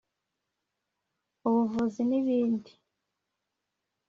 ubuvuzi n’ibindi